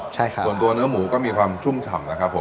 ส่วนตัวเนื้อหมูก็มีความชุ่มฉ่ำนะครับนะครับ